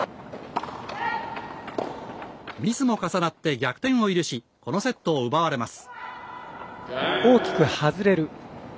ミスも重なって逆転を許しこのセットを奪われます。